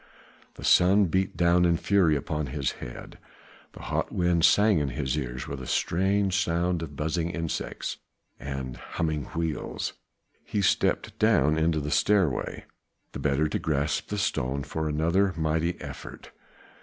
The sun beat down in fury upon his head, the hot wind sang in his ears with a strange sound of buzzing insects and humming wheels. He stepped down into the stairway, the better to grasp the stone for another mighty effort.